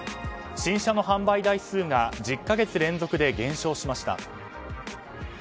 新車の販売台数が１０か月連続で減少しました。